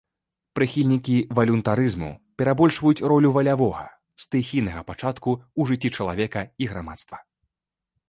Прыхільнікі валюнтарызму перабольшваюць ролю валявога, стыхійнага пачатку ў жыцці чалавека і грамадства.